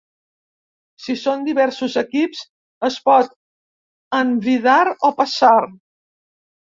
Si són diversos equips, es pot envidar o passar.